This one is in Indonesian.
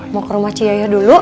mau ke rumah ci yaya dulu